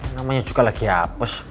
namanya juga lagi hapus